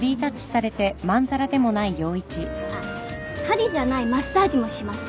あっはりじゃないマッサージもします